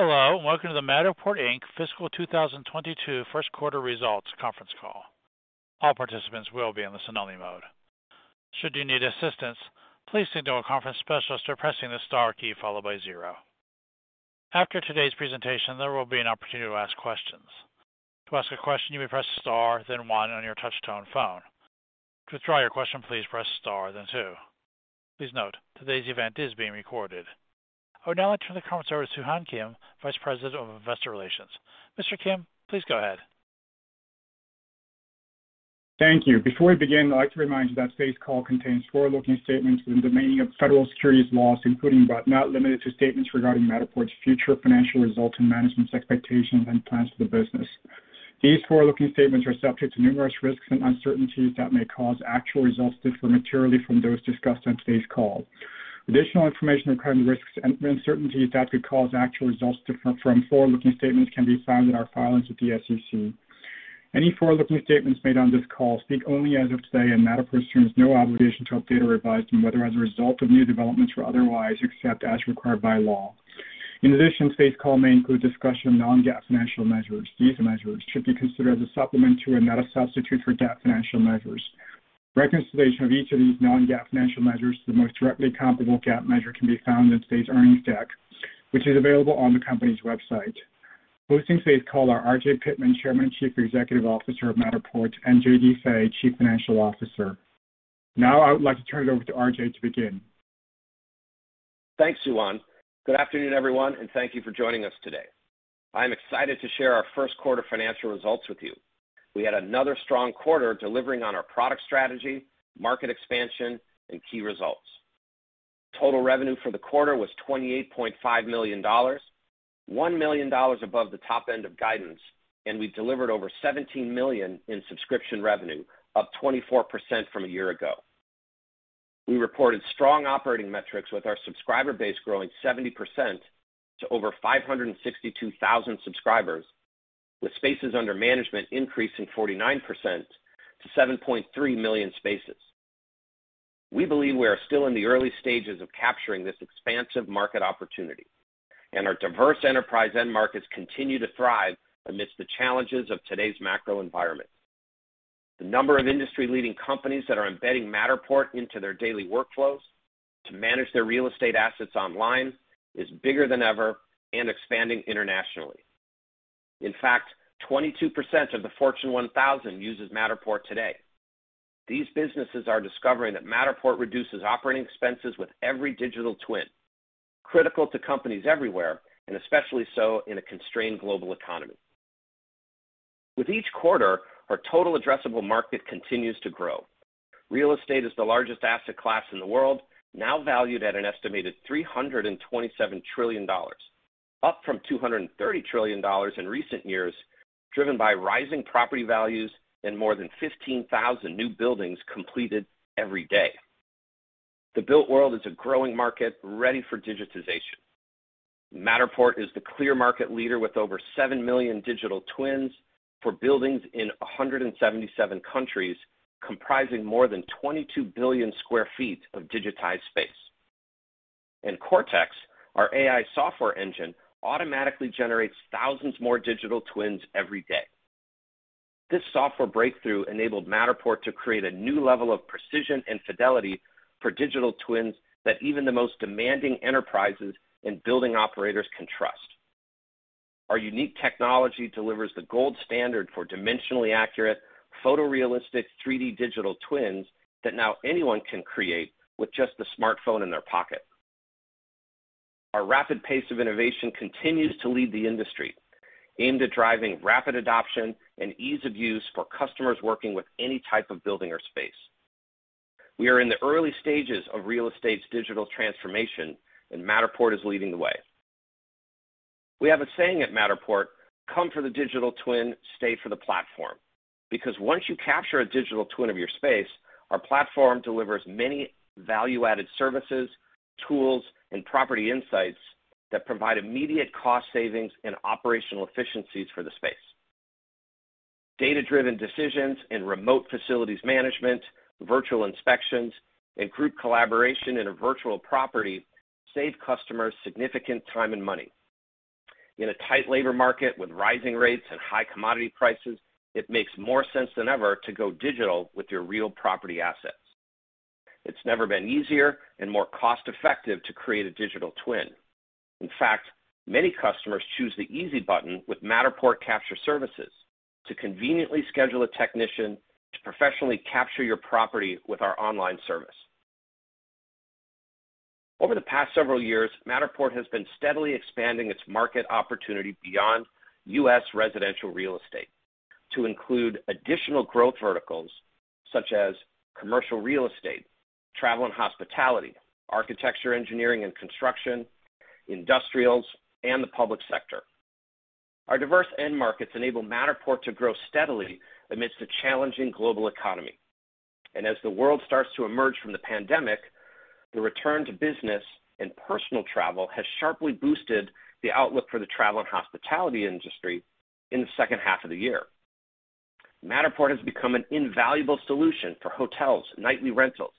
Hello, and welcome to the Matterport, Inc. fiscal 2022 first quarter results conference call. All participants will be in the listen-only mode. Should you need assistance, please signal a conference specialist by pressing the star key followed by zero. After today's presentation, there will be an opportunity to ask questions. To ask a question, you may press star then one on your Touch-Tone phone. To withdraw your question, please press star then two. Please note, today's event is being recorded. I would now like to turn the conference over to Soohwan Kim, Vice President, Investor Relations. Mr. Kim, please go ahead. Thank you. Before we begin, I'd like to remind you that today's call contains forward-looking statements within the meaning of federal securities laws, including but not limited to statements regarding Matterport's future financial results and management's expectations and plans for the business. These forward-looking statements are subject to numerous risks and uncertainties that may cause actual results to differ materially from those discussed on today's call. Additional information regarding risks and uncertainties that could cause actual results to differ from forward-looking statements can be found in our filings with the SEC. Any forward-looking statements made on this call speak only as of today, and Matterport assumes no obligation to update or revise them, whether as a result of new developments or otherwise, except as required by law. In addition, today's call may include discussion of non-GAAP financial measures. These measures should be considered as a supplement to and not a substitute for GAAP financial measures. Reconciliation of each of these non-GAAP financial measures to the most directly comparable GAAP measure can be found in today's earnings deck, which is available on the company's website. Hosting today's call are RJ Pittman, Chairman and Chief Executive Officer of Matterport, and J.D. Fay, Chief Financial Officer. Now I would like to turn it over to RJ to begin. Thanks, Soohwan. Good afternoon, everyone, and thank you for joining us today. I'm excited to share our first quarter financial results with you. We had another strong quarter delivering on our product strategy, market expansion, and key results. Total revenue for the quarter was $28.5 million, $1 million above the top end of guidance, and we delivered over $17 million in subscription revenue, up 24% from a year ago. We reported strong operating metrics with our subscriber base growing 70% to over 562,000 subscribers, with spaces under management increasing 49% to 7.3 million spaces. We believe we are still in the early stages of capturing this expansive market opportunity, and our diverse enterprise end markets continue to thrive amidst the challenges of today's macro environment. The number of industry-leading companies that are embedding Matterport into their daily workflows to manage their real estate assets online is bigger than ever and expanding internationally. In fact, 22% of the Fortune 1000 uses Matterport today. These businesses are discovering that Matterport reduces operating expenses with every digital twin, critical to companies everywhere, and especially so in a constrained global economy. With each quarter, our total addressable market continues to grow. Real estate is the largest asset class in the world, now valued at an estimated $327 trillion, up from $230 trillion in recent years, driven by rising property values and more than 15,000 new buildings completed every day. The built world is a growing market ready for digitization. Matterport is the clear market leader with over 7 million digital twins for buildings in 177 countries, comprising more than 22 billion sq ft of digitized space. Cortex, our AI software engine, automatically generates thousands more digital twins every day. This software breakthrough enabled Matterport to create a new level of precision and fidelity for digital twins that even the most demanding enterprises and building operators can trust. Our unique technology delivers the gold standard for dimensionally accurate, photorealistic 3D digital twins that now anyone can create with just the smartphone in their pocket. Our rapid pace of innovation continues to lead the industry, aimed at driving rapid adoption and ease of use for customers working with any type of building or space. We are in the early stages of real estate's digital transformation, and Matterport is leading the way. We have a saying at Matterport, "Come for the digital twin, stay for the platform," because once you capture a digital twin of your space, our platform delivers many value-added services, tools, and property insights that provide immediate cost savings and operational efficiencies for the space. Data-driven decisions and remote facilities management, virtual inspections, and group collaboration in a virtual property save customers significant time and money. In a tight labor market with rising rates and high commodity prices, it makes more sense than ever to go digital with your real property assets. It's never been easier and more cost-effective to create a digital twin. In fact, many customers choose the easy button with Matterport Capture Services to conveniently schedule a technician to professionally capture your property with our online service. Over the past several years, Matterport has been steadily expanding its market opportunity beyond U.S. residential real estate to include additional growth verticals such as commercial real estate, travel and hospitality, architecture, engineering, and construction, industrials, and the public sector. Our diverse end markets enable Matterport to grow steadily amidst a challenging global economy. As the world starts to emerge from the pandemic, the return to business and personal travel has sharply boosted the outlook for the travel and hospitality industry in the second half of the year. Matterport has become an invaluable solution for hotels, nightly rentals,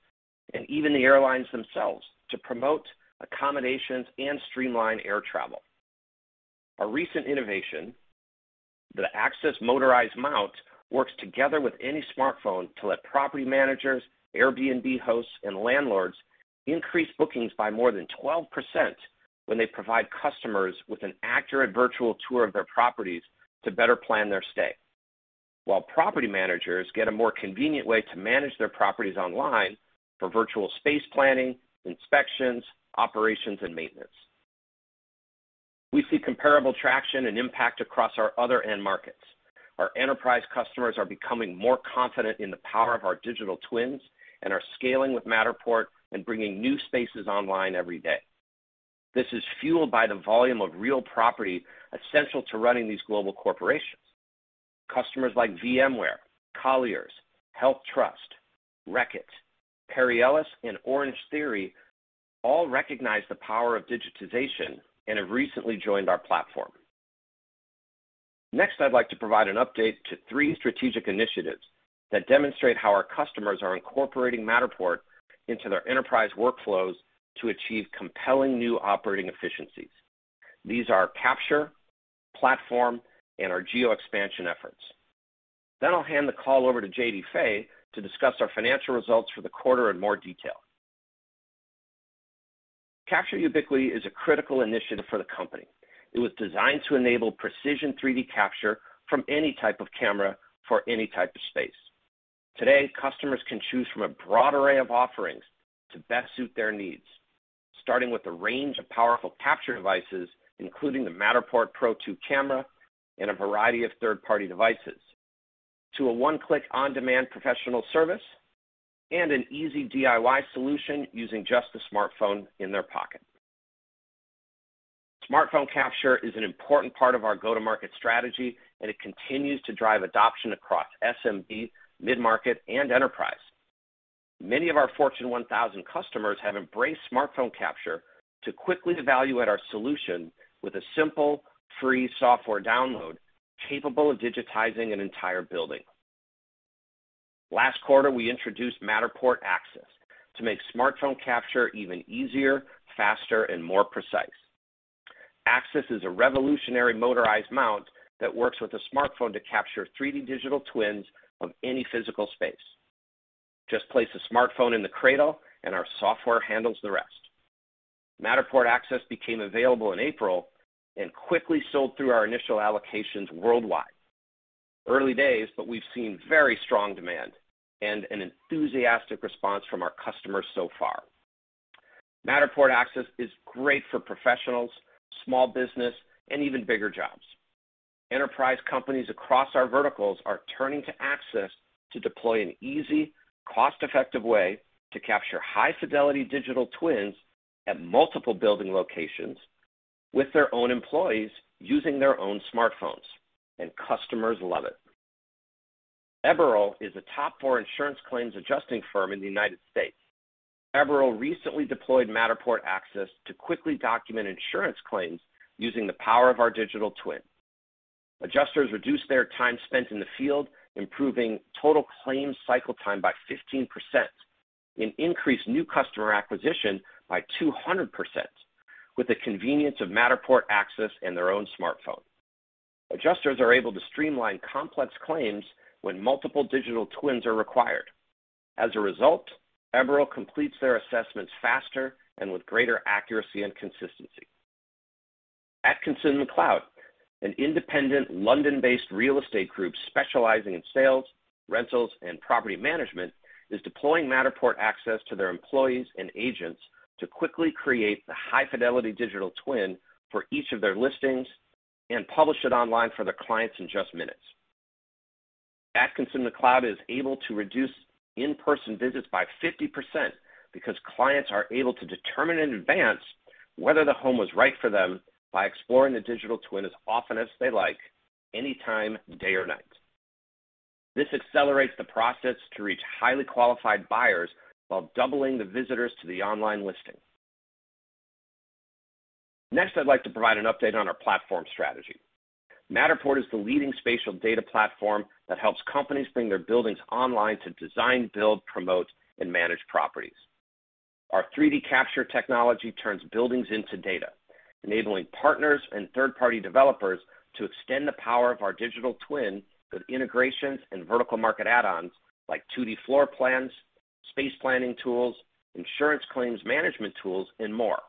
and even the airlines themselves to promote accommodations and streamline air travel. A recent innovation, the Axis Motorized Mount, works together with any smartphone to let property managers, Airbnb hosts, and landlords increase bookings by more than 12% when they provide customers with an accurate virtual tour of their properties to better plan their stay. While property managers get a more convenient way to manage their properties online for virtual space planning, inspections, operations, and maintenance. We see comparable traction and impact across our other end markets. Our enterprise customers are becoming more confident in the power of our digital twins and are scaling with Matterport and bringing new spaces online every day. This is fueled by the volume of real property essential to running these global corporations. Customers like VMware, Colliers, HealthTrust, Reckitt, Perry Ellis, and Orangetheory all recognize the power of digitization and have recently joined our platform. Next, I'd like to provide an update to three strategic initiatives that demonstrate how our customers are incorporating Matterport into their enterprise workflows to achieve compelling new operating efficiencies. These are capture, platform, and our geo-expansion efforts. I'll hand the call over to J.D. Fay to discuss our financial results for the quarter in more detail. Capture Ubiquity is a critical initiative for the company. It was designed to enable precision 3D capture from any type of camera for any type of space. Today, customers can choose from a broad array of offerings to best suit their needs. Starting with a range of powerful capture devices, including the Matterport Pro2 camera and a variety of third-party devices, to a one-click on-demand professional service and an easy DIY solution using just the smartphone in their pocket. Smartphone capture is an important part of our go-to-market strategy, and it continues to drive adoption across SMB, mid-market, and enterprise. Many of our Fortune 1000 customers have embraced smartphone capture to quickly evaluate our solution with a simple, free software download capable of digitizing an entire building. Last quarter, we introduced Matterport Axis to make smartphone capture even easier, faster, and more precise. Axis is a revolutionary motorized mount that works with a smartphone to capture 3D digital twins of any physical space. Just place a smartphone in the cradle, and our software handles the rest. Matterport Axis became available in April and quickly sold through our initial allocations worldwide. Early days, but we've seen very strong demand and an enthusiastic response from our customers so far. Matterport Axis is great for professionals, small business, and even bigger jobs. Enterprise companies across our verticals are turning to Axis to deploy an easy, cost-effective way to capture high-fidelity digital twins at multiple building locations with their own employees using their own smartphones, and customers love it. Eberl is a top four insurance claims adjusting firm in the United States. Eberl recently deployed Matterport Axis to quickly document insurance claims using the power of our digital twin. Adjusters reduced their time spent in the field, improving total claim cycle time by 15% and increased new customer acquisition by 200% with the convenience of Matterport Axis and their own smartphone. Adjusters are able to streamline complex claims when multiple digital twins are required. As a result, Eberl completes their assessments faster and with greater accuracy and consistency. Atkinson McLeod, an independent London-based real estate group specializing in sales, rentals, and property management, is deploying Matterport Axis to their employees and agents to quickly create the high-fidelity digital twin for each of their listings and publish it online for their clients in just minutes. Atkinson McLeod is able to reduce in-person visits by 50% because clients are able to determine in advance whether the home was right for them by exploring the digital twin as often as they like, anytime, day or night. This accelerates the process to reach highly qualified buyers while doubling the visitors to the online listing. Next, I'd like to provide an update on our platform strategy. Matterport is the leading spatial data platform that helps companies bring their buildings online to design, build, promote, and manage properties. Our 3D capture technology turns buildings into data, enabling partners and third-party developers to extend the power of our digital twin with integrations and vertical market add-ons like 2D floor plans, space planning tools, insurance claims management tools, and more.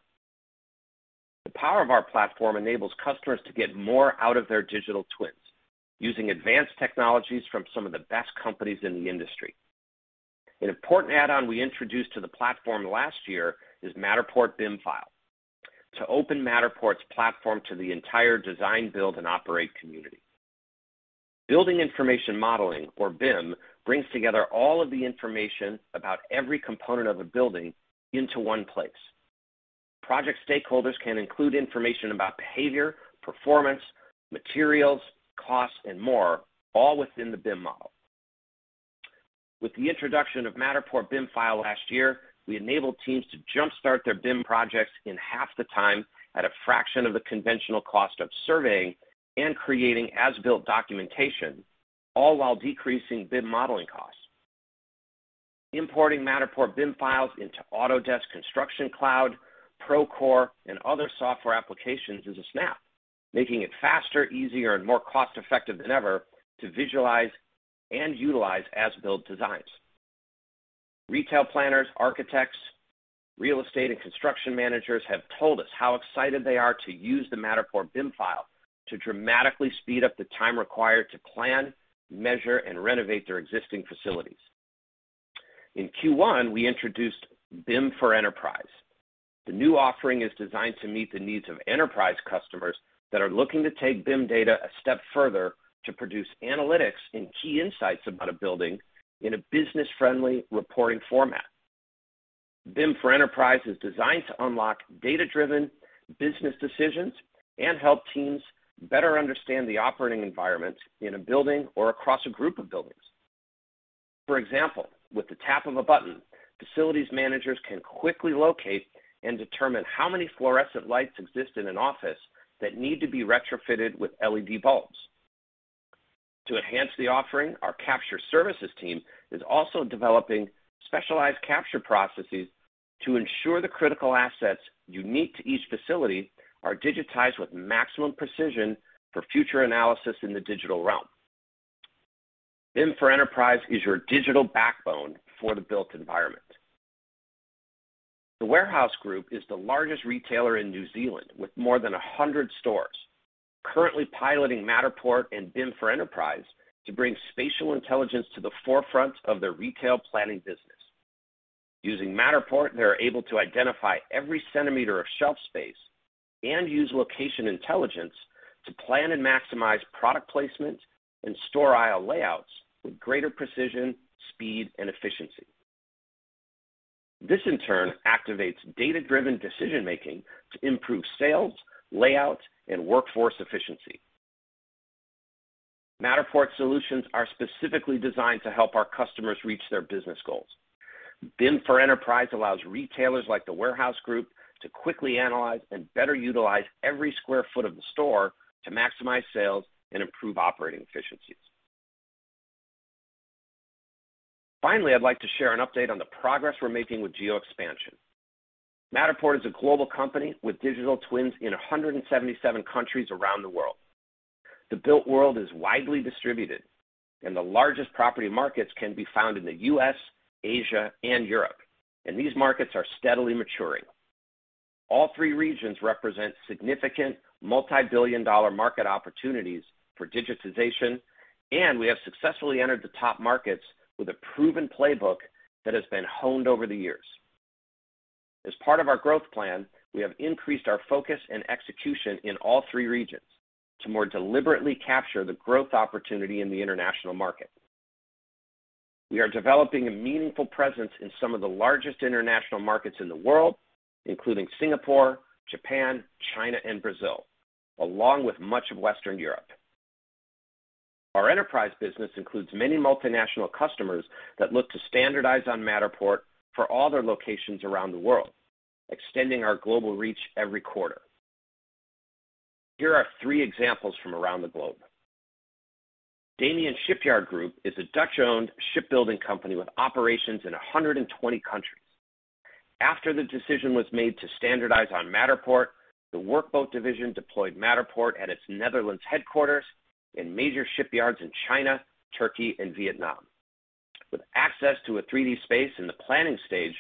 The power of our platform enables customers to get more out of their digital twins using advanced technologies from some of the best companies in the industry. An important add-on we introduced to the platform last year is Matterport BIM file to open Matterport's platform to the entire design, build, and operate community. Building information modeling, or BIM, brings together all of the information about every component of a building into one place. Project stakeholders can include information about behavior, performance, materials, costs, and more, all within the BIM model. With the introduction of Matterport BIM file last year, we enabled teams to jumpstart their BIM projects in half the time at a fraction of the conventional cost of surveying and creating as-built documentation, all while decreasing BIM modeling costs. Importing Matterport BIM files into Autodesk Construction Cloud, Procore, and other software applications is a snap, making it faster, easier, and more cost-effective than ever to visualize and utilize as-built designs. Retail planners, architects, real estate, and construction managers have told us how excited they are to use the Matterport BIM file to dramatically speed up the time required to plan, measure, and renovate their existing facilities. In Q1, we introduced BIM for Enterprise. The new offering is designed to meet the needs of enterprise customers that are looking to take BIM data a step further to produce analytics and key insights about a building in a business-friendly reporting format. BIM for Enterprise is designed to unlock data-driven business decisions and help teams better understand the operating environment in a building or across a group of buildings. For example, with the tap of a button, facilities managers can quickly locate and determine how many fluorescent lights exist in an office that need to be retrofitted with LED bulbs. To enhance the offering, our capture services team is also developing specialized capture processes to ensure the critical assets unique to each facility are digitized with maximum precision for future analysis in the digital realm. BIM for Enterprise is your digital backbone for the built environment. The Warehouse Group is the largest retailer in New Zealand with more than 100 stores. Currently piloting Matterport and BIM for Enterprise to bring spatial intelligence to the forefront of their retail planning business. Using Matterport, they are able to identify every centimeter of shelf space and use location intelligence to plan and maximize product placement and store aisle layouts with greater precision, speed, and efficiency. This, in turn, activates data-driven decision-making to improve sales, layout, and workforce efficiency. Matterport solutions are specifically designed to help our customers reach their business goals. BIM for Enterprise allows retailers like The Warehouse Group to quickly analyze and better utilize every square foot of the store to maximize sales and improve operating efficiencies. Finally, I'd like to share an update on the progress we're making with geo expansion. Matterport is a global company with digital twins in 177 countries around the world. The built world is widely distributed, and the largest property markets can be found in the U.S., Asia, and Europe, and these markets are steadily maturing. All three regions represent significant multi-billion-dollar market opportunities for digitization, and we have successfully entered the top markets with a proven playbook that has been honed over the years. As part of our growth plan, we have increased our focus and execution in all three regions to more deliberately capture the growth opportunity in the international market. We are developing a meaningful presence in some of the largest international markets in the world, including Singapore, Japan, China, and Brazil, along with much of Western Europe. Our enterprise business includes many multinational customers that look to standardize on Matterport for all their locations around the world, extending our global reach every quarter. Here are three examples from around the globe. Damen Shipyards Group is a Dutch-owned shipbuilding company with operations in 120 countries. After the decision was made to standardize on Matterport, the Workboat division deployed Matterport at its Netherlands headquarters in major shipyards in China, Turkey, and Vietnam. With access to a 3D space in the planning stage,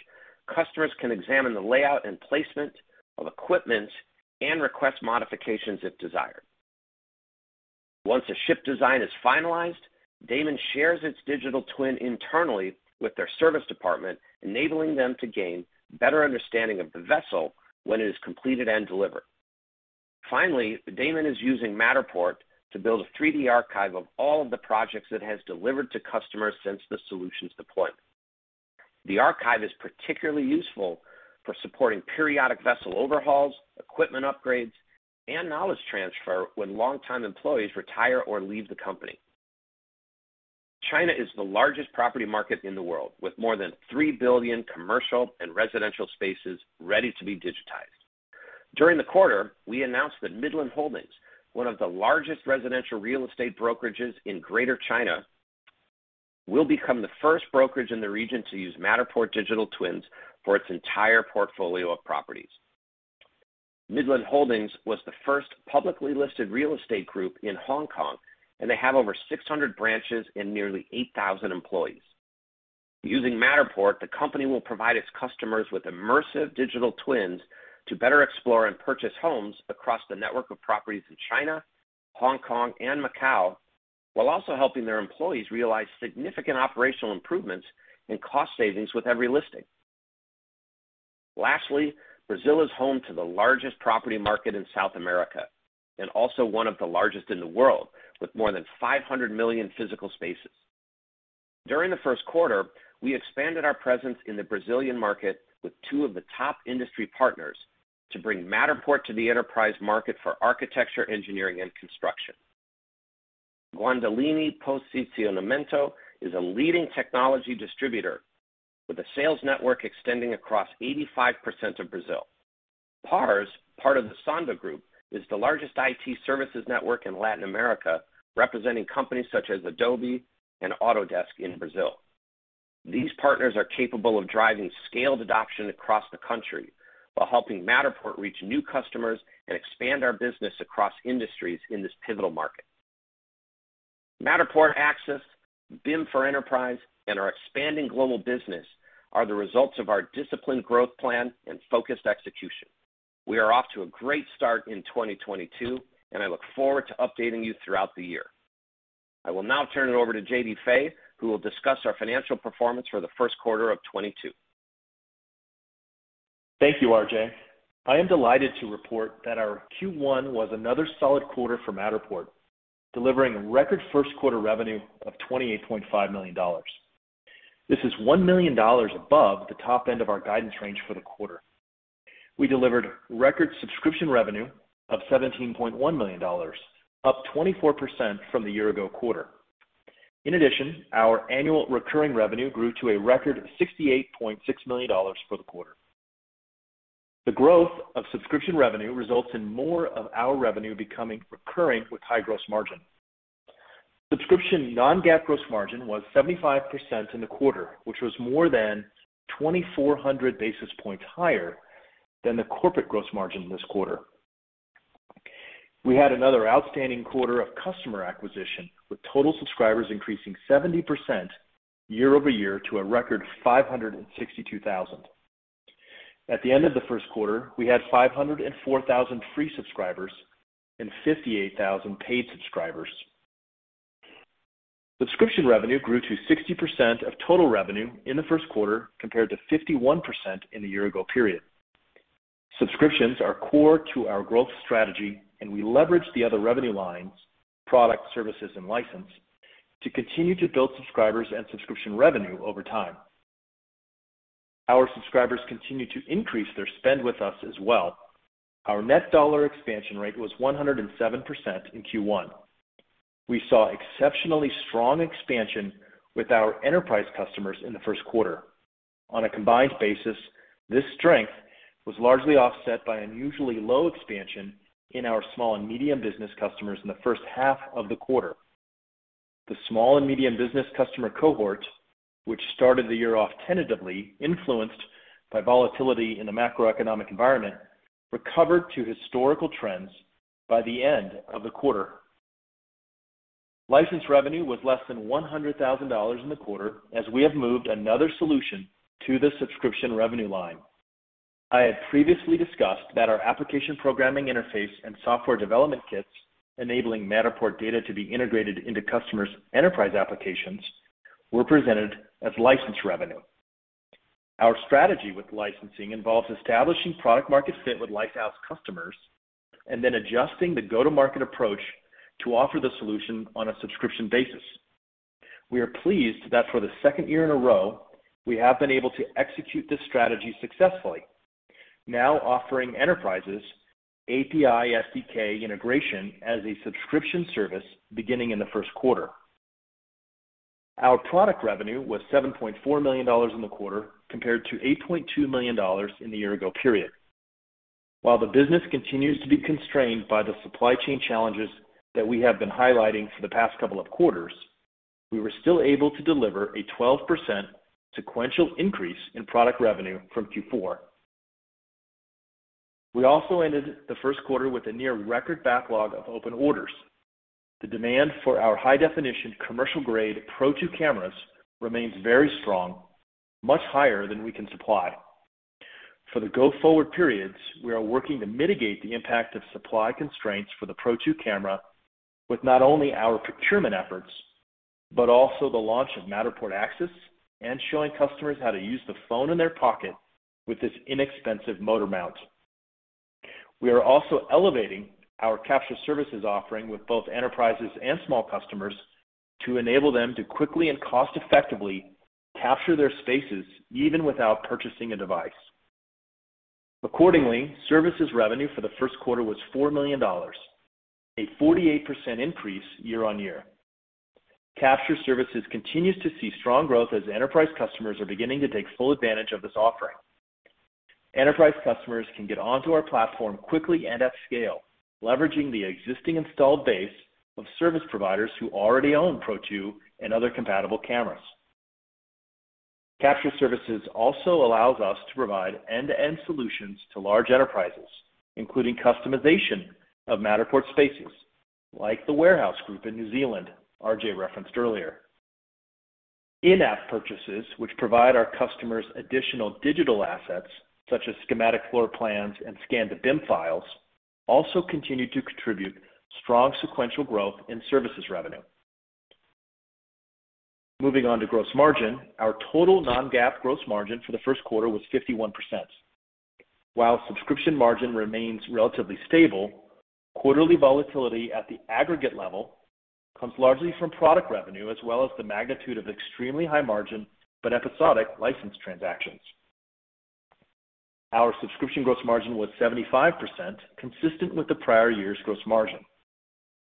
customers can examine the layout and placement of equipment and request modifications if desired. Once a ship design is finalized, Damen shares its digital twin internally with their service department, enabling them to gain better understanding of the vessel when it is completed and delivered. Finally, Damen is using Matterport to build a 3D archive of all of the projects it has delivered to customers since the solution's deployment. The archive is particularly useful for supporting periodic vessel overhauls, equipment upgrades, and knowledge transfer when long-time employees retire or leave the company. China is the largest property market in the world, with more than 3 billion commercial and residential spaces ready to be digitized. During the quarter, we announced that Midland Holdings, one of the largest residential real estate brokerages in Greater China, will become the first brokerage in the region to use Matterport digital twins for its entire portfolio of properties. Midland Holdings was the first publicly listed real estate group in Hong Kong, and they have over 600 branches and nearly 8,000 employees. Using Matterport, the company will provide its customers with immersive digital twins to better explore and purchase homes across the network of properties in China, Hong Kong, and Macau, while also helping their employees realize significant operational improvements and cost savings with every listing. Lastly, Brazil is home to the largest property market in South America, and also one of the largest in the world, with more than 500 million physical spaces. During the first quarter, we expanded our presence in the Brazilian market with two of the top industry partners to bring Matterport to the enterprise market for architecture, engineering, and construction. Guandalini Posicionamento is a leading technology distributor with a sales network extending across 85% of Brazil. PARS, part of the Sonda Group, is the largest IT services network in Latin America, representing companies such as Adobe and Autodesk in Brazil. These partners are capable of driving scaled adoption across the country while helping Matterport reach new customers and expand our business across industries in this pivotal market. Matterport Axis, BIM for Enterprise, and our expanding global business are the results of our disciplined growth plan and focused execution. We are off to a great start in 2022, and I look forward to updating you throughout the year. I will now turn it over to J.D. Fay, who will discuss our financial performance for the first quarter of 2022. Thank you, RJ. I am delighted to report that our Q1 was another solid quarter for Matterport, delivering a record first quarter revenue of $28.5 million. This is $1 million above the top end of our guidance range for the quarter. We delivered record subscription revenue of $17.1 million, up 24% from the year-ago quarter. In addition, our annual recurring revenue grew to a record $68.6 million for the quarter. The growth of subscription revenue results in more of our revenue becoming recurring with high gross margin. Subscription non-GAAP gross margin was 75% in the quarter, which was more than 2,400 basis points higher than the corporate gross margin this quarter. We had another outstanding quarter of customer acquisition, with total subscribers increasing 70% year-over-year to a record 562,000. At the end of the first quarter, we had 504,000 free subscribers and 58,000 paid subscribers. Subscription revenue grew to 60% of total revenue in the first quarter, compared to 51% in the year ago period. Subscriptions are core to our growth strategy, and we leverage the other revenue lines, product, services, and license, to continue to build subscribers and subscription revenue over time. Our subscribers continue to increase their spend with us as well. Our net dollar expansion rate was 107% in Q1. We saw exceptionally strong expansion with our enterprise customers in the first quarter. On a combined basis, this strength was largely offset by unusually low expansion in our small and medium business customers in the first half of the quarter. The small and medium business customer cohort, which started the year off tentatively influenced by volatility in the macroeconomic environment, recovered to historical trends by the end of the quarter. License revenue was less than $100,000 in the quarter as we have moved another solution to the subscription revenue line. I had previously discussed that our application programming interface and software development kits, enabling Matterport data to be integrated into customers' enterprise applications, were presented as license revenue. Our strategy with licensing involves establishing product market fit with lighthouse customers and then adjusting the go-to-market approach to offer the solution on a subscription basis. We are pleased that for the second year in a row, we have been able to execute this strategy successfully. Now offering enterprises API SDK integration as a subscription service beginning in the first quarter. Our product revenue was $7.4 million in the quarter, compared to $8.2 million in the year ago period. While the business continues to be constrained by the supply chain challenges that we have been highlighting for the past couple of quarters, we were still able to deliver a 12% sequential increase in product revenue from Q4. We also ended the first quarter with a near-record backlog of open orders. The demand for our high-definition commercial-grade Pro2 cameras remains very strong, much higher than we can supply. For the go-forward periods, we are working to mitigate the impact of supply constraints for the Pro2 camera with not only our procurement efforts, but also the launch of Matterport Axis and showing customers how to use the phone in their pocket with this inexpensive motor mount. We are also elevating our capture services offering with both enterprises and small customers to enable them to quickly and cost-effectively capture their spaces even without purchasing a device. Accordingly, services revenue for the first quarter was $4 million, a 48% increase year-over-year. Capture services continues to see strong growth as enterprise customers are beginning to take full advantage of this offering. Enterprise customers can get onto our platform quickly and at scale, leveraging the existing installed base of service providers who already own Pro2 and other compatible cameras. Capture services also allows us to provide end-to-end solutions to large enterprises, including customization of Matterport spaces like The Warehouse Group in New Zealand RJ referenced earlier. In-app purchases, which provide our customers additional digital assets, such as schematic floor plans and scan-to-BIM files, also continue to contribute strong sequential growth in services revenue. Moving on to gross margin, our total non-GAAP gross margin for the first quarter was 51%. While subscription margin remains relatively stable, quarterly volatility at the aggregate level comes largely from product revenue as well as the magnitude of extremely high margin, but episodic license transactions. Our subscription gross margin was 75%, consistent with the prior year's gross margin.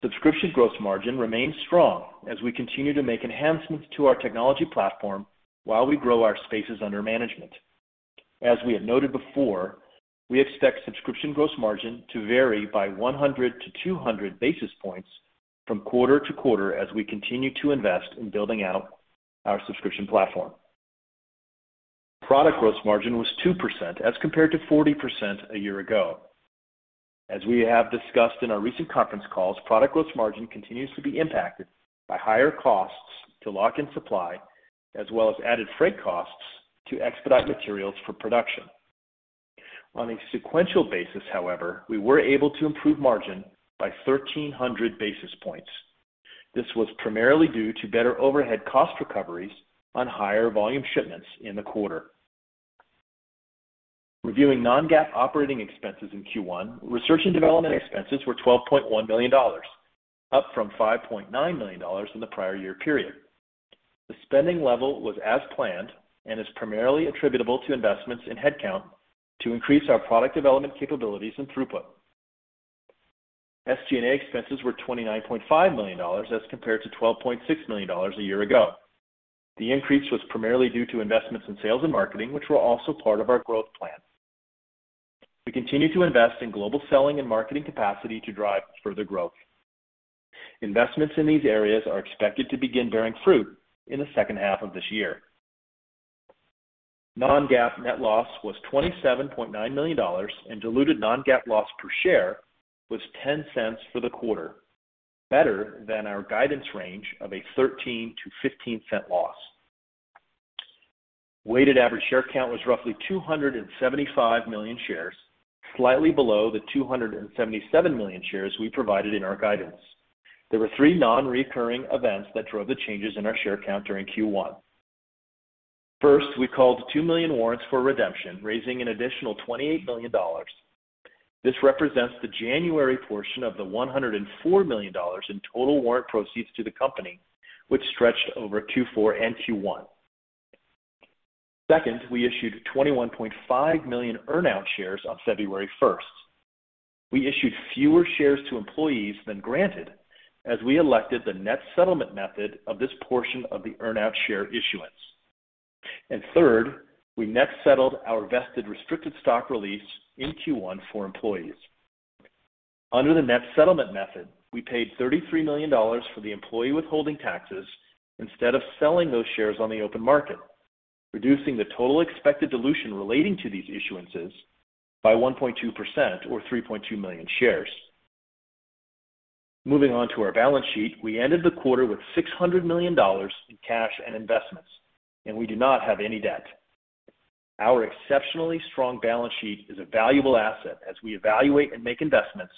Subscription gross margin remains strong as we continue to make enhancements to our technology platform while we grow our spaces under management. As we have noted before, we expect subscription gross margin to vary by 100-200 basis points from quarter to quarter as we continue to invest in building out our subscription platform. Product gross margin was 2% as compared to 40% a year ago. As we have discussed in our recent conference calls, product gross margin continues to be impacted by higher costs to lock in supply as well as added freight costs to expedite materials for production. On a sequential basis, however, we were able to improve margin by 1,300 basis points. This was primarily due to better overhead cost recoveries on higher volume shipments in the quarter. Reviewing non-GAAP operating expenses in Q1, research and development expenses were $12.1 million, up from $5.9 million in the prior year period. The spending level was as planned and is primarily attributable to investments in headcount to increase our product development capabilities and throughput. SG&A expenses were $29.5 million as compared to $12.6 million a year ago. The increase was primarily due to investments in sales and marketing, which were also part of our growth plan. We continue to invest in global selling and marketing capacity to drive further growth. Investments in these areas are expected to begin bearing fruit in the second half of this year. Non-GAAP net loss was $27.9 million, and diluted non-GAAP loss per share was $0.10 for the quarter, better than our guidance range of a $0.13-$0.15 loss. Weighted average share count was roughly 275 million shares, slightly below the 277 million shares we provided in our guidance. There were three non-recurring events that drove the changes in our share count during Q1. First, we called 2 million warrants for redemption, raising an additional $28 million. This represents the January portion of the $104 million in total warrant proceeds to the company, which stretched over Q4 and Q1. Second, we issued 21.5 million earn-out shares on February first. We issued fewer shares to employees than granted as we elected the net settlement method of this portion of the earn-out share issuance. Third, we net settled our vested restricted stock release in Q1 for employees. Under the net settlement method, we paid $33 million for the employee withholding taxes instead of selling those shares on the open market, reducing the total expected dilution relating to these issuances by 1.2% or 3.2 million shares. Moving on to our balance sheet, we ended the quarter with $600 million in cash and investments, and we do not have any debt. Our exceptionally strong balance sheet is a valuable asset as we evaluate and make investments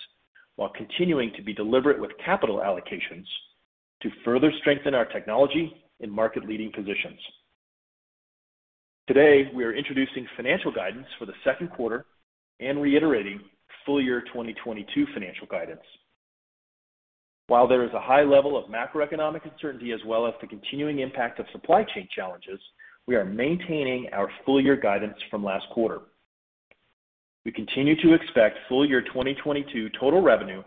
while continuing to be deliberate with capital allocations to further strengthen our technology and market-leading positions. Today, we are introducing financial guidance for the second quarter and reiterating full year 2022 financial guidance. While there is a high level of macroeconomic uncertainty as well as the continuing impact of supply chain challenges, we are maintaining our full year guidance from last quarter. We continue to expect full year 2022 total revenue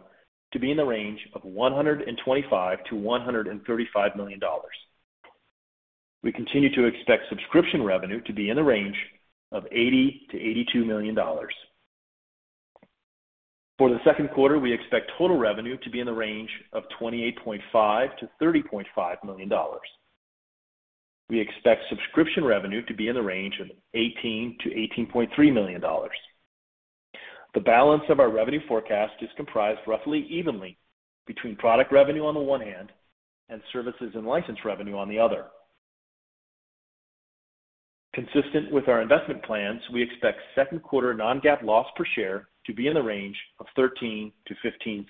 to be in the range of $125 million-$135 million. We continue to expect subscription revenue to be in the range of $80 million-$82 million. For the second quarter, we expect total revenue to be in the range of $28.5 million-$30.5 million. We expect subscription revenue to be in the range of $18 million-$18.3 million. The balance of our revenue forecast is comprised roughly evenly between product revenue on the one hand and services and license revenue on the other. Consistent with our investment plans, we expect second quarter non-GAAP loss per share to be in the range of $0.13-$0.15.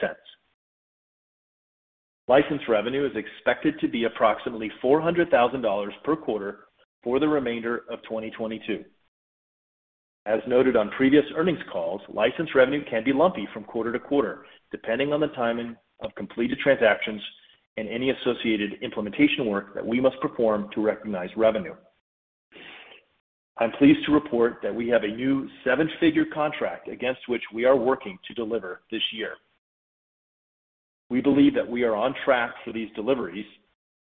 License revenue is expected to be approximately $400,000 per quarter for the remainder of 2022. As noted on previous earnings calls, license revenue can be lumpy from quarter to quarter, depending on the timing of completed transactions and any associated implementation work that we must perform to recognize revenue. I'm pleased to report that we have a new seven-figure contract against which we are working to deliver this year. We believe that we are on track for these deliveries.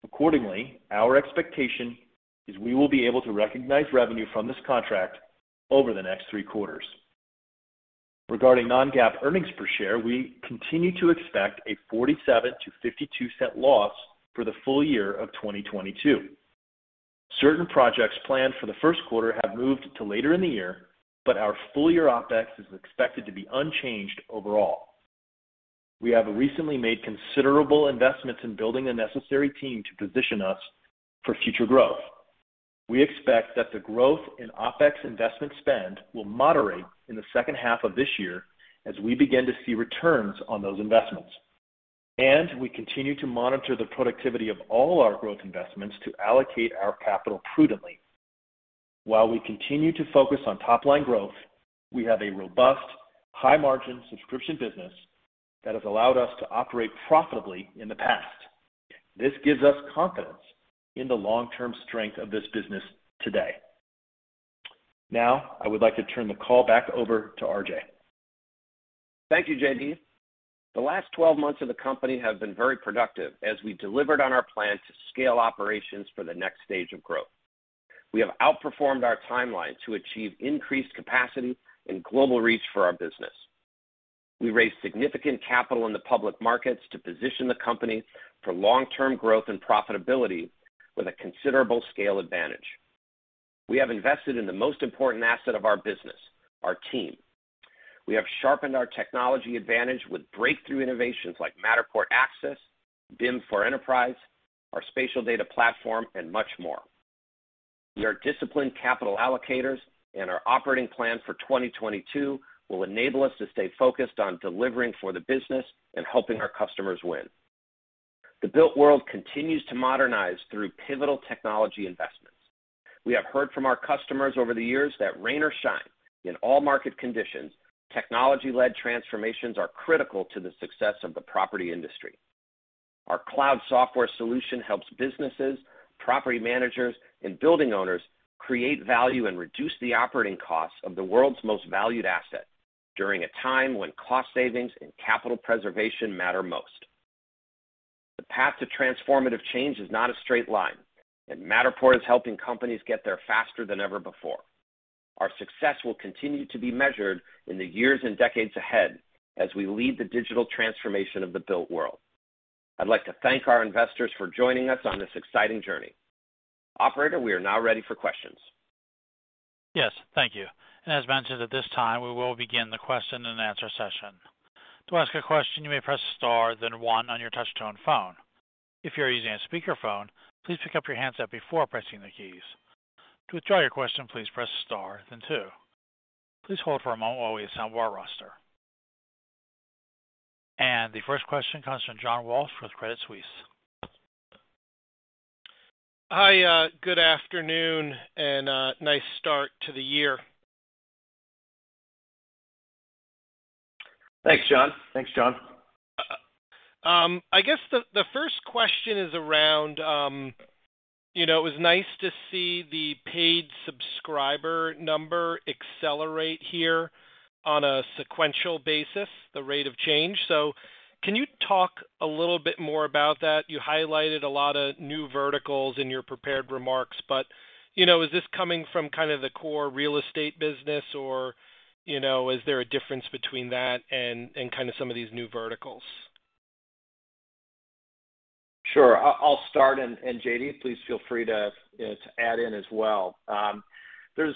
Accordingly, our expectation is we will be able to recognize revenue from this contract over the next three quarters. Regarding non-GAAP earnings per share, we continue to expect a $0.47-$0.52 loss for the full year of 2022. Certain projects planned for the first quarter have moved to later in the year, but our full year OpEx is expected to be unchanged overall. We have recently made considerable investments in building the necessary team to position us for future growth. We expect that the growth in OpEx investment spend will moderate in the second half of this year as we begin to see returns on those investments. We continue to monitor the productivity of all our growth investments to allocate our capital prudently. While we continue to focus on top-line growth, we have a robust, high-margin subscription business that has allowed us to operate profitably in the past. This gives us confidence in the long-term strength of this business today. Now, I would like to turn the call back over to RJ. Thank you, J.D. The last 12 months of the company have been very productive as we delivered on our plan to scale operations for the next stage of growth. We have outperformed our timeline to achieve increased capacity and global reach for our business. We raised significant capital in the public markets to position the company for long-term growth and profitability with a considerable scale advantage. We have invested in the most important asset of our business, our team. We have sharpened our technology advantage with breakthrough innovations like Matterport Axis, BIM for Enterprise, our spatial data platform, and much more. We are disciplined capital allocators, and our operating plan for 2022 will enable us to stay focused on delivering for the business and helping our customers win. The built world continues to modernize through pivotal technology investments. We have heard from our customers over the years that rain or shine, in all market conditions, technology-led transformations are critical to the success of the property industry. Our cloud software solution helps businesses, property managers, and building owners create value and reduce the operating costs of the world's most valued asset during a time when cost savings and capital preservation matter most. The path to transformative change is not a straight line, and Matterport is helping companies get there faster than ever before. Our success will continue to be measured in the years and decades ahead as we lead the digital transformation of the built world. I'd like to thank our investors for joining us on this exciting journey. Operator, we are now ready for questions. Yes. Thank you. As mentioned, at this time, we will begin the question and answer session. To ask a question, you may press star, then one on your Touch-Tone phone. If you're using a speakerphone, please pick up your handset before pressing the keys. To withdraw your question, please press star, then two. Please hold for a moment while we assemble our roster. The first question comes from John Walsh with Credit Suisse. Hi, good afternoon, and nice start to the year. Thanks, John. Thanks, John. I guess the first question is around, you know, it was nice to see the paid subscriber number accelerate here on a sequential basis, the rate of change. Can you talk a little bit more about that? You highlighted a lot of new verticals in your prepared remarks, but, you know, is this coming from kind of the core real estate business or, you know, is there a difference between that and kind of some of these new verticals? Sure. I'll start and J.D., please feel free to, you know, to add in as well. There's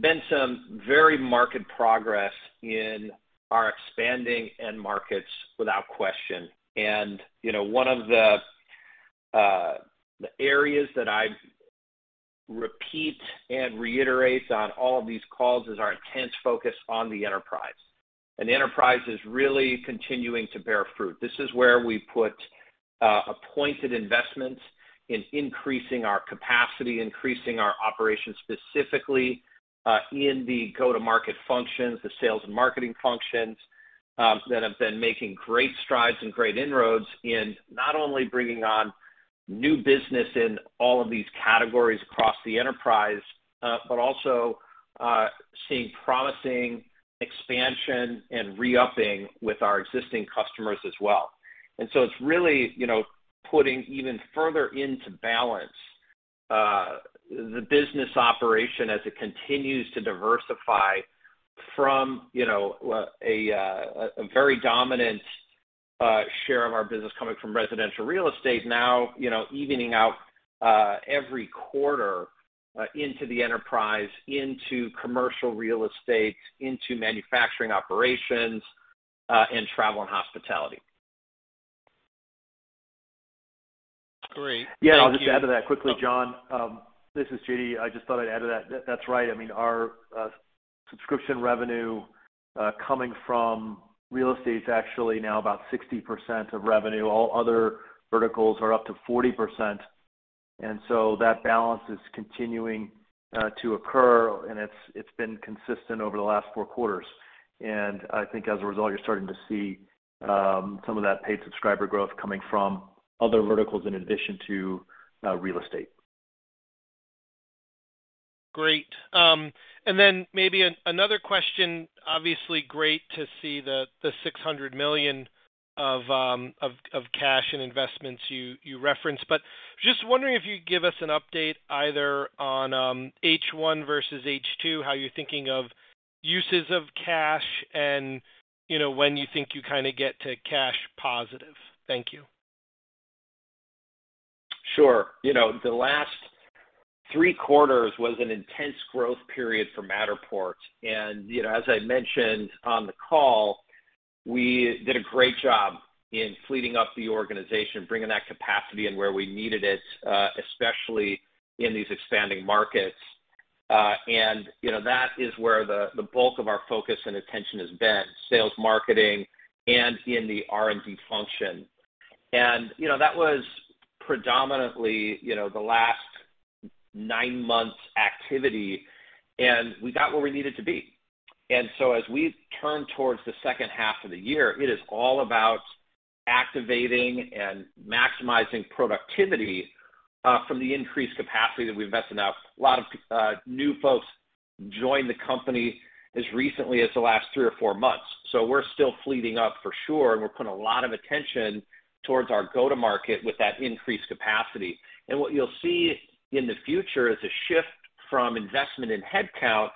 been some very marked progress in our expanding end markets without question. You know, one of the areas that I repeat and reiterate on all of these calls is our intense focus on the enterprise. Enterprise is really continuing to bear fruit. This is where we put a pointed investment in increasing our capacity, increasing our operations, specifically, in the go-to-market functions, the sales and marketing functions, that have been making great strides and great inroads in not only bringing on new business in all of these categories across the enterprise, but also, seeing promising expansion and re-upping with our existing customers as well. It's really, you know, putting even further into balance the business operation as it continues to diversify from, you know, a very dominant share of our business coming from residential real estate now, you know, evening out every quarter into the enterprise, into commercial real estate, into manufacturing operations, and travel and hospitality. Great. Thank you. Yeah, I'll just add to that quickly, John. This is J.D. I just thought I'd add to that. That's right. I mean, our subscription revenue coming from real estate is actually now about 60% of revenue. All other verticals are up to 40%. That balance is continuing to occur, and it's been consistent over the last four quarters. I think as a result, you're starting to see some of that paid subscriber growth coming from other verticals in addition to real estate. Great. Maybe another question, obviously great to see the $600 million of cash and investments you referenced, but just wondering if you could give us an update either on H1 versus H2, how you're thinking of uses of cash and, you know, when you think you kinda get to cash positive. Thank you. Sure. You know, the last three quarters was an intense growth period for Matterport. You know, as I mentioned on the call, we did a great job in fleeted up the organization, bringing that capacity in where we needed it, especially in these expanding markets. You know, that is where the bulk of our focus and attention has been, sales, marketing, and in the R&D function. You know, that was predominantly the last nine months activity, and we got where we needed to be. As we turn towards the second half of the year, it is all about activating and maximizing productivity from the increased capacity that we've invested in. A lot of new folks joined the company as recently as the last three or four months. We're still fleeted up for sure, and we're putting a lot of attention towards our go-to-market with that increased capacity. What you'll see in the future is a shift from investment in headcount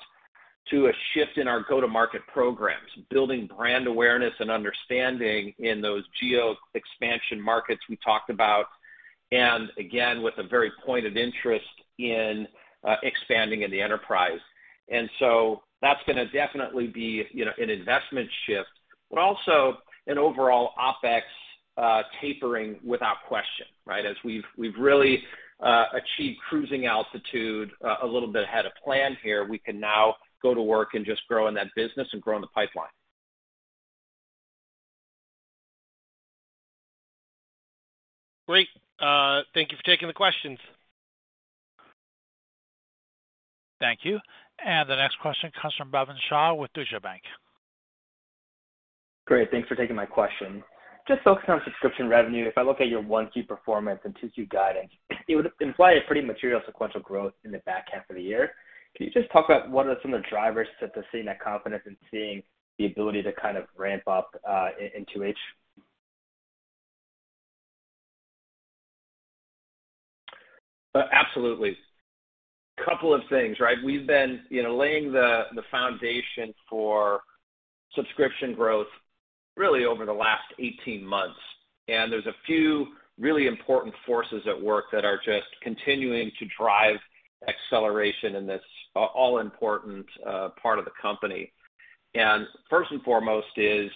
to a shift in our go-to-market programs, building brand awareness and understanding in those geo-expansion markets we talked about, and again, with a very pointed interest in expanding in the enterprise. That's gonna definitely be, you know, an investment shift, but also an overall OpEx tapering without question, right? As we've really achieved cruising altitude a little bit ahead of plan here, we can now go to work and just grow in that business and grow in the pipeline. Great. Thank you for taking the questions. Thank you. The next question comes from Bhavin Shah with Deutsche Bank. Great. Thanks for taking my question. Just focusing on subscription revenue, if I look at your 1Q performance and 2Q guidance, it would imply a pretty material sequential growth in the back half of the year. Can you just talk about what are some of the drivers to seeing that confidence and seeing the ability to kind of ramp up in 2H? Absolutely. Couple of things, right? We've been, you know, laying the foundation for subscription growth really over the last 18 months, and there's a few really important forces at work that are just continuing to drive acceleration in this all important part of the company. First and foremost is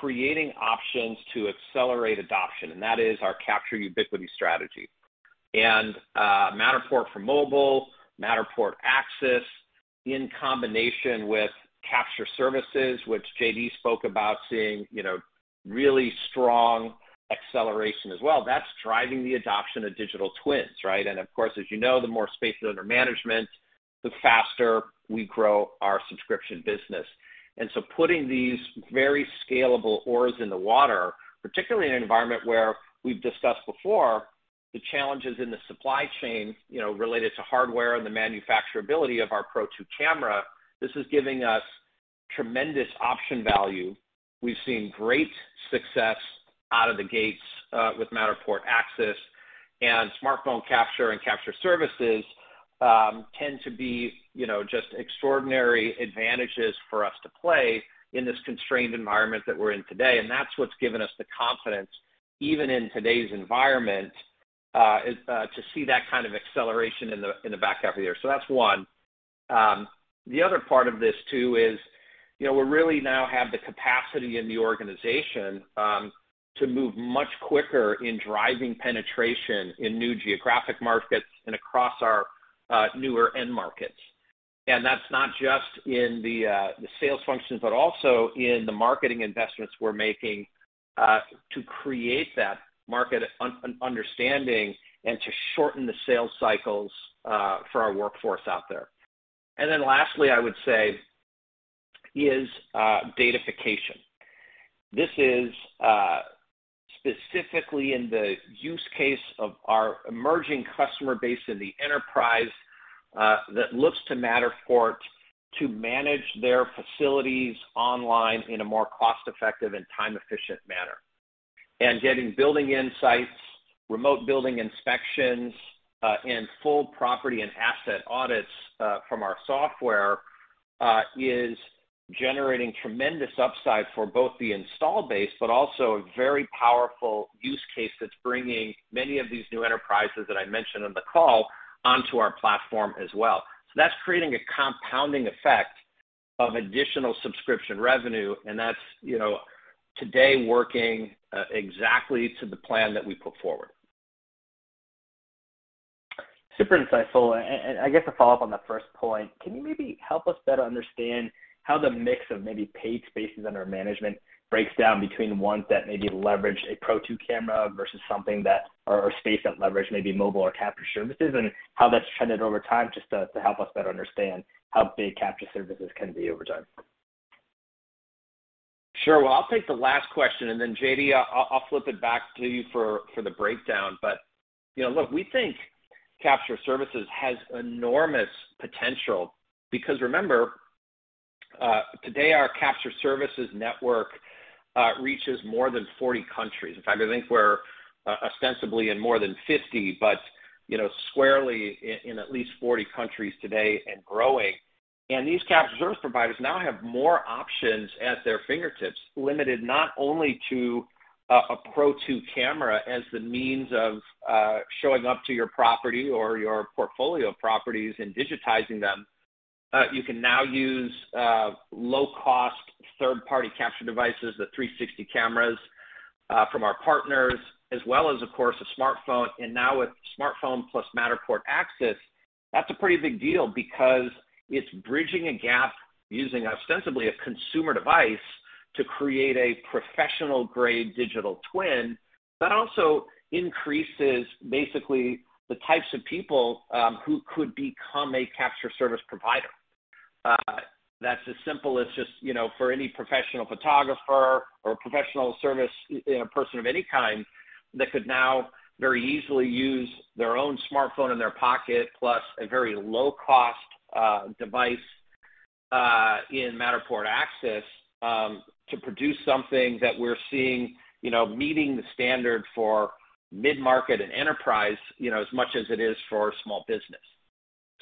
creating options to accelerate adoption, and that is our Capture Ubiquity strategy. Matterport for Mobile, Matterport Axis, in combination with Capture Services, which J.D. spoke about seeing, you know, really strong acceleration as well, that's driving the adoption of digital twins, right? Of course, as you know, the more space is under management, the faster we grow our subscription business. Putting these very scalable oars in the water, particularly in an environment where we've discussed before the challenges in the supply chain, you know, related to hardware and the manufacturability of our Pro2 camera, this is giving us tremendous option value. We've seen great success out of the gates with Matterport Axis and smartphone capture and capture services tend to be, you know, just extraordinary advantages for us to play in this constrained environment that we're in today. That's what's given us the confidence, even in today's environment, is to see that kind of acceleration in the back half of the year. That's one. The other part of this too is, you know, we really now have the capacity in the organization to move much quicker in driving penetration in new geographic markets and across our newer end markets. That's not just in the sales functions, but also in the marketing investments we're making to create that market understanding and to shorten the sales cycles for our workforce out there. Lastly, I would say is datafication. This is specifically in the use case of our emerging customer base in the enterprise that looks to Matterport to manage their facilities online in a more cost-effective and time-efficient manner. Getting building insights, remote building inspections, and full property and asset audits from our software is generating tremendous upside for both the install base, but also a very powerful use case that's bringing many of these new enterprises that I mentioned on the call onto our platform as well. That's creating a compounding effect of additional subscription revenue, and that's, you know, today working exactly to the plan that we put forward. Super insightful. I guess to follow up on that first point, can you maybe help us better understand how the mix of maybe paid spaces under management breaks down between ones that maybe leverage a Pro2 camera versus or spaces that leverage maybe mobile or capture services, and how that's trended over time just to help us better understand how big capture services can be over time? Sure. Well, I'll take the last question, and then J.D., I'll flip it back to you for the breakdown. You know, look, we think capture services has enormous potential because remember, today our capture services network reaches more than 40 countries. In fact, I think we're ostensibly in more than 50, but you know, squarely in at least 40 countries today and growing. These capture service providers now have more options at their fingertips, limited not only to a Pro2 camera as the means of showing up to your property or your portfolio of properties and digitizing them. You can now use low-cost third-party capture devices, the 360 cameras from our partners, as well as, of course, a smartphone. Now with smartphone plus Matterport Axis. That's a pretty big deal because it's bridging a gap using ostensibly a consumer device to create a professional-grade digital twin that also increases basically the types of people who could become a capture service provider. That's as simple as just, you know, for any professional photographer or professional service person of any kind that could now very easily use their own smartphone in their pocket plus a very low-cost device in Matterport Axis to produce something that we're seeing, you know, meeting the standard for mid-market and enterprise, you know, as much as it is for small business.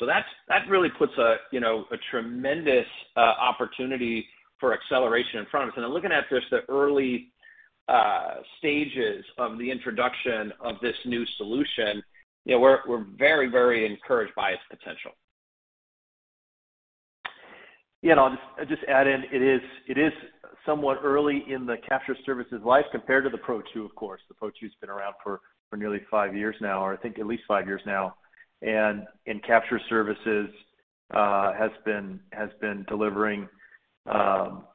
That really puts a, you know, a tremendous opportunity for acceleration in front of us. Looking at just the early stages of the introduction of this new solution, you know, we're very, very encouraged by its potential. Yeah, I'll just add in, it is somewhat early in the Capture Services life compared to the Pro2, of course. The Pro2's been around for nearly five years now, or I think at least five years now. Capture Services has been delivering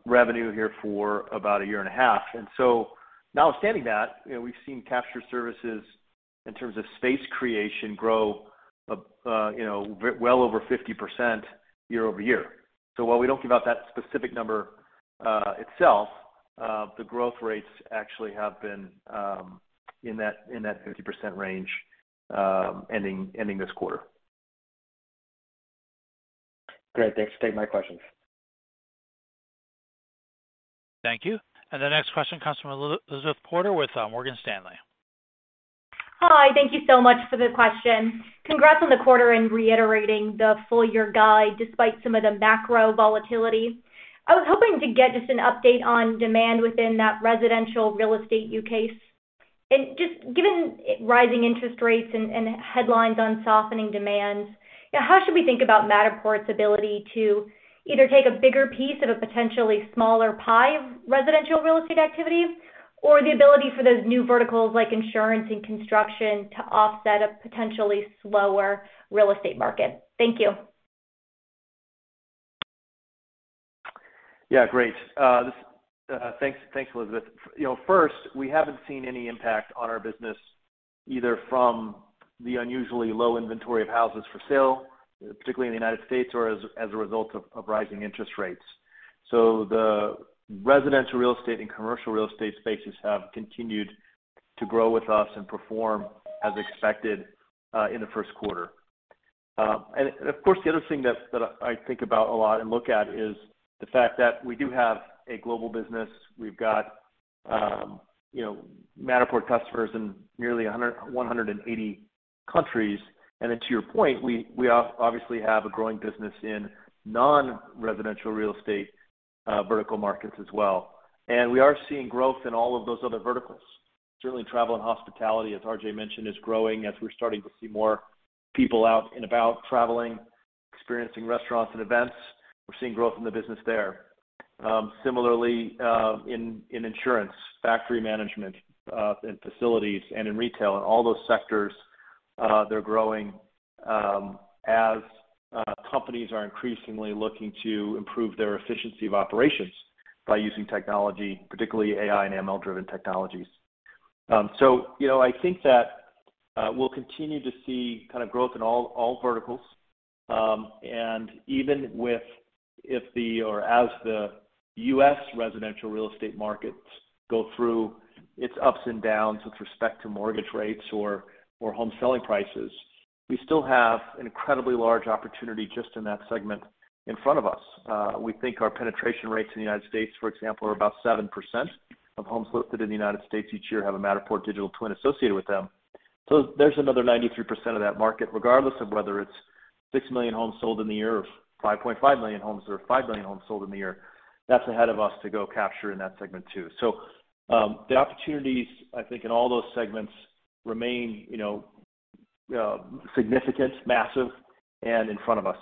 revenue here for about a year and a half. Notwithstanding that, you know, we've seen Capture Services in terms of space creation grow, you know, well over 50% year-over-year. While we don't give out that specific number itself, the growth rates actually have been in that 50% range ending this quarter. Great. Thanks. Take my questions. Thank you. The next question comes from Elizabeth Porter with Morgan Stanley. Hi. Thank you so much for the question. Congrats on the quarter and reiterating the full year guide despite some of the macro volatility. I was hoping to get just an update on demand within that residential real estate use case. Just given rising interest rates and headlines on softening demands, how should we think about Matterport's ability to either take a bigger piece of a potentially smaller pie of residential real estate activity or the ability for those new verticals like insurance and construction to offset a potentially slower real estate market? Thank you. Yeah, great. Thanks, Elizabeth. You know, first, we haven't seen any impact on our business, either from the unusually low inventory of houses for sale, particularly in the United States, or as a result of rising interest rates. The residential real estate and commercial real estate spaces have continued to grow with us and perform as expected in the first quarter. Of course, the other thing that I think about a lot and look at is the fact that we do have a global business. We've got, you know, Matterport customers in nearly 180 countries. Then to your point, we obviously have a growing business in non-residential real estate vertical markets as well. We are seeing growth in all of those other verticals. Certainly travel and hospitality, as RJ mentioned, is growing as we're starting to see more people out and about traveling, experiencing restaurants and events. We're seeing growth in the business there. Similarly, in insurance, factory management, in facilities and in retail and all those sectors, they're growing, as companies are increasingly looking to improve their efficiency of operations by using technology, particularly AI and ML-driven technologies. You know, I think that we'll continue to see kind of growth in all verticals. Even as the U.S. residential real estate markets go through its ups and downs with respect to mortgage rates or home selling prices, we still have an incredibly large opportunity just in that segment in front of us. We think our penetration rates in the United States, for example, are about 7% of homes listed in the United States each year have a Matterport digital twin associated with them. There's another 93% of that market, regardless of whether it's 6 million homes sold in the year or 5.5 million homes or 5 million homes sold in the year. That's ahead of us to go capture in that segment too. The opportunities, I think, in all those segments remain, you know, significant, massive, and in front of us.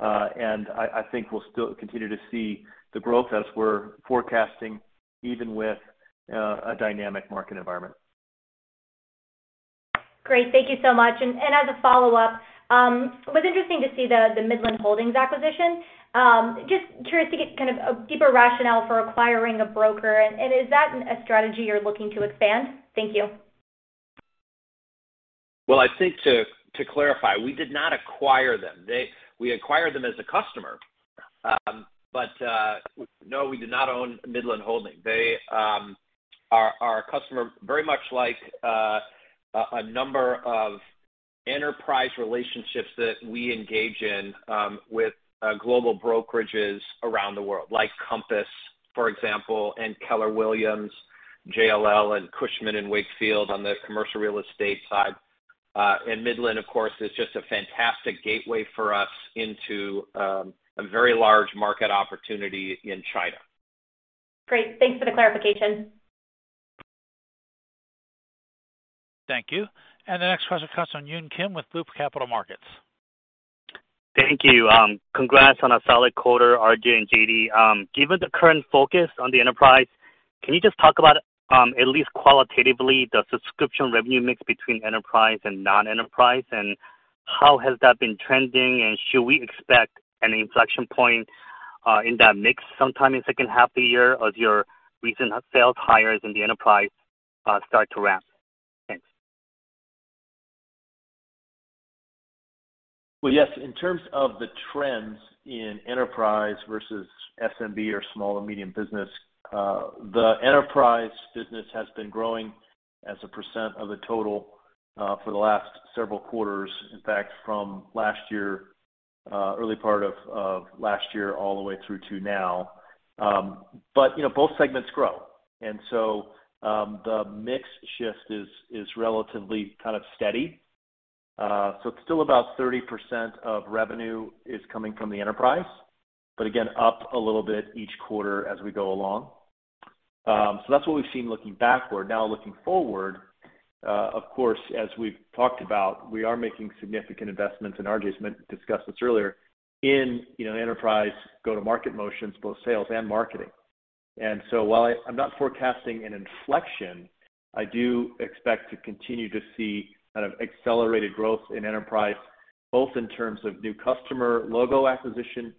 I think we'll still continue to see the growth as we're forecasting, even with a dynamic market environment. Great. Thank you so much. As a follow-up, it was interesting to see the Midland Holdings acquisition. Just curious to get kind of a deeper rationale for acquiring a broker and is that a strategy you're looking to expand? Thank you. Well, I think to clarify, we did not acquire them. We acquired them as a customer. No, we do not own Midland Holdings. They are a customer very much like a number of enterprise relationships that we engage in with global brokerages around the world, like Compass, for example, and Keller Williams, JLL, and Cushman & Wakefield on the commercial real estate side. Midland, of course, is just a fantastic gateway for us into a very large market opportunity in China. Great. Thanks for the clarification. Thank you. The next question comes from Yun Kim with Loop Capital Markets. Thank you. Congrats on a solid quarter, RJ and J.D. Given the current focus on the enterprise, can you just talk about, at least qualitatively, the subscription revenue mix between enterprise and non-enterprise, and how has that been trending? Should we expect an inflection point, in that mix sometime in second half of the year as your recent sales hires in the enterprise, start to ramp? Thanks. Well, yes. In terms of the trends in enterprise versus SMB or small to medium business, the enterprise business has been growing as a percent of the total for the last several quarters, in fact from last year, early part of last year all the way through to now. You know, both segments grow. The mix shift is relatively kind of steady. It's still about 30% of revenue is coming from the enterprise, but again, up a little bit each quarter as we go along. That's what we've seen looking backward. Now, looking forward, of course, as we've talked about, we are making significant investments, and RJ discussed this earlier, in, you know, enterprise go-to-market motions, both sales and marketing. While I'm not forecasting an inflection, I do expect to continue to see kind of accelerated growth in enterprise, both in terms of new customer logo acquisition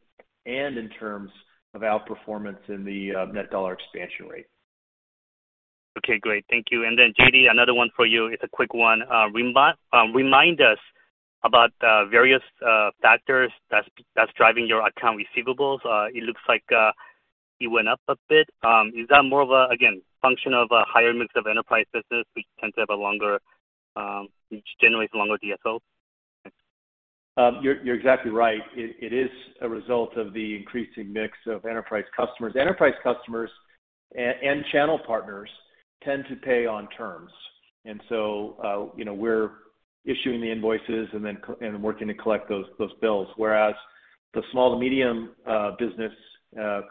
and in terms of outperformance in the net dollar expansion rate. Okay, great. Thank you. J.D., another one for you. It's a quick one. Remind us about various factors that's driving your accounts receivable. It looks like it went up a bit. Is that more of a again function of a higher mix of enterprise business, which generates longer DSO? Thanks. You're exactly right. It is a result of the increasing mix of enterprise customers. Enterprise customers and channel partners tend to pay on terms. You know, we're issuing the invoices and then working to collect those bills, whereas the small to medium business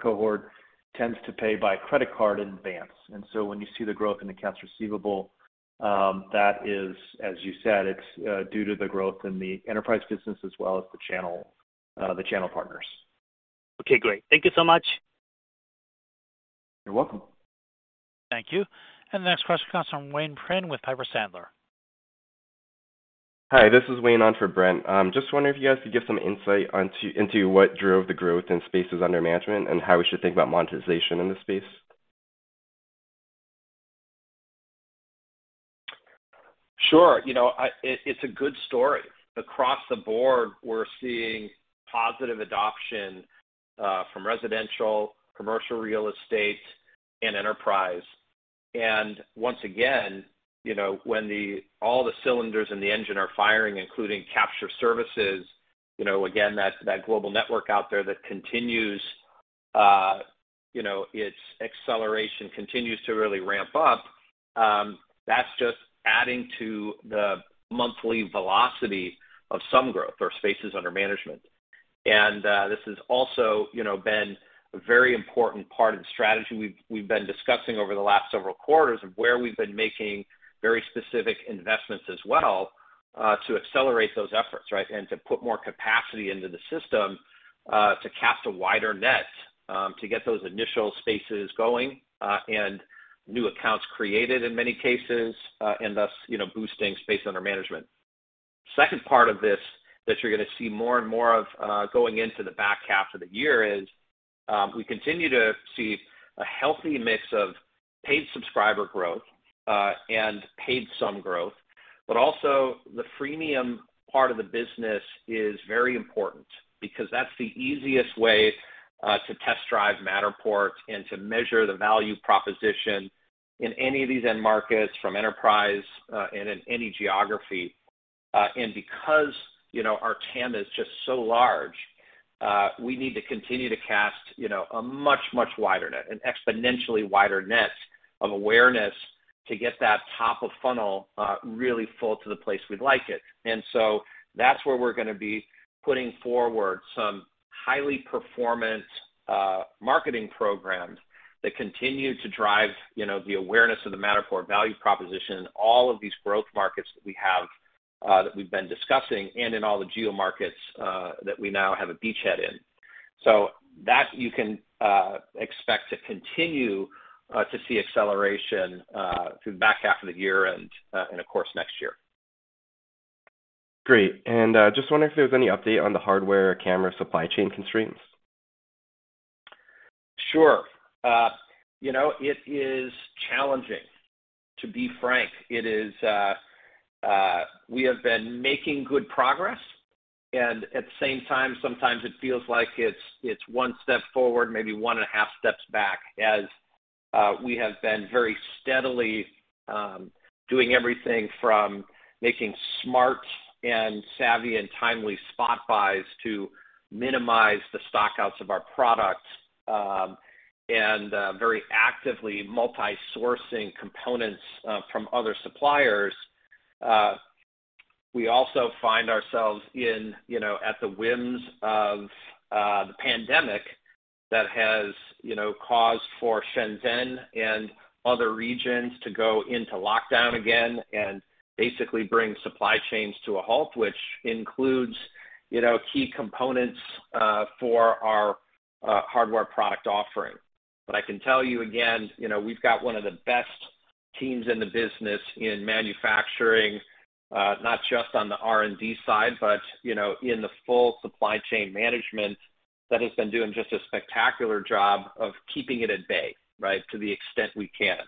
cohort tends to pay by credit card in advance. When you see the growth in accounts receivable, that is, as you said, it's due to the growth in the enterprise business as well as the channel partners. Okay, great. Thank you so much. You're welcome. Thank you. The next question comes from Wayne Trinh with Piper Sandler. Hi, this is Wayne on for Bren. Just wondering if you guys could give some insight into what drove the growth in spaces under management and how we should think about monetization in this space. Sure. You know, it's a good story. Across the board, we're seeing positive adoption from residential, commercial real estate and enterprise. Once again, you know, when all the cylinders in the engine are firing, including capture services, you know, again, that global network out there that continues, you know, its acceleration continues to really ramp up. That's just adding to the monthly velocity of some growth or spaces under management. This has also, you know, been a very important part of the strategy we've been discussing over the last several quarters of where we've been making very specific investments as well to accelerate those efforts, right? To put more capacity into the system, to cast a wider net, to get those initial spaces going, and new accounts created in many cases, and thus, you know, boosting spaces under management. Second part of this that you're gonna see more and more of, going into the back half of the year is, we continue to see a healthy mix of paid subscriber growth, and paid sub growth, but also the freemium part of the business is very important because that's the easiest way, to test drive Matterport and to measure the value proposition in any of these end markets from enterprise, and in any geography. Because, you know, our TAM is just so large, we need to continue to cast, you know, a much, much wider net, an exponentially wider net of awareness to get that top of funnel really full to the place we'd like it. That's where we're gonna be putting forward some highly performant marketing programs that continue to drive, you know, the awareness of the Matterport value proposition in all of these growth markets that we have that we've been discussing and in all the geo markets that we now have a beachhead in. That you can expect to continue to see acceleration through the back half of the year and, of course, next year. Great. Just wondering if there was any update on the hardware camera supply chain constraints? Sure. You know, it is challenging, to be frank. It is. We have been making good progress, and at the same time, sometimes it feels like it's one step forward, maybe one and a half steps back as we have been very steadily doing everything from making smart and savvy and timely spot buys to minimize the stock-outs of our products, and very actively multi-sourcing components from other suppliers. We also find ourselves in, you know, at the whims of the pandemic that has, you know, caused for Shenzhen and other regions to go into lockdown again and basically bring supply chains to a halt, which includes, you know, key components for our hardware product offering. I can tell you again, you know, we've got one of the best teams in the business in manufacturing, not just on the R&D side, but, you know, in the full supply chain management that has been doing just a spectacular job of keeping it at bay, right? To the extent we can.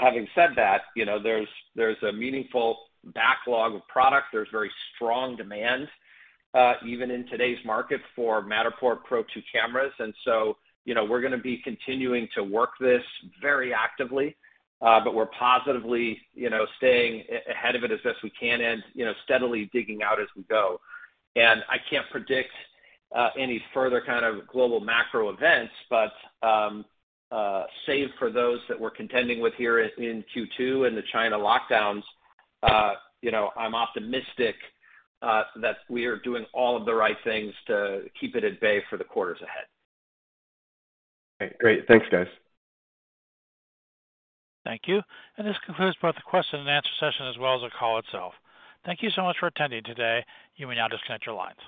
Having said that, you know, there's a meaningful backlog of product. There's very strong demand, even in today's market, for Matterport Pro2 cameras. We're gonna be continuing to work this very actively, but we're positively, you know, staying ahead of it as best we can and, you know, steadily digging out as we go. I can't predict any further kind of global macro events, but save for those that we're contending with here in Q2 and the China lockdowns, you know, I'm optimistic that we are doing all of the right things to keep it at bay for the quarters ahead. Great. Thanks, guys. Thank you. This concludes both the question and answer session as well as the call itself. Thank you so much for attending today. You may now disconnect your lines.